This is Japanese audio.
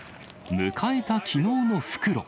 迎えたきのうの復路。